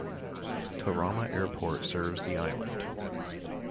Tarama Airport serves the island.